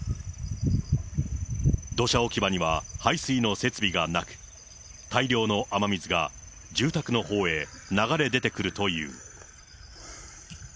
土砂置き場には排水の設備がなく、大量の雨水が住宅のほうへ流れ出てくるという。